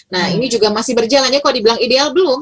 nah ini juga masih berjalannya kalau dibilang ideal belum